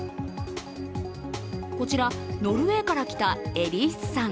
こちら、ノルウェーから来たエリースさん。